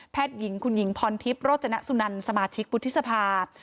หญิงคุณหญิงพรทิพย์โรจนสุนันสมาชิกวุฒิสภา